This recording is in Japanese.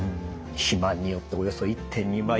肥満によっておよそ１．２倍。